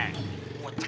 gair bang sih